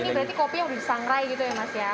jadi ini berarti kopinya udah di sangrai gitu ya mas ya